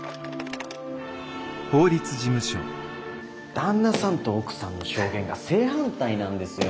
旦那さんと奥さんの証言が正反対なんですよ。